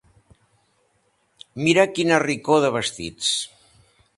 Mira quina ricor de vestits.